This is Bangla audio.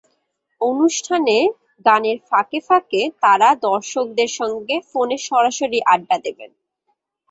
অনুষ্ঠানে গানের ফাঁকে ফাঁকে তাঁরা দর্শকদের সঙ্গে ফোনে সরাসরি আড্ডা দেবেন।